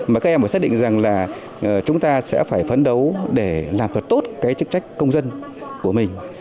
mà các em phải xác định rằng là chúng ta sẽ phải phấn đấu để làm thật tốt cái chức trách công dân của mình